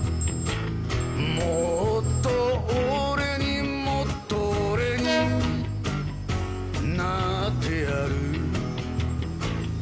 「もっと俺にもっと俺になってやる」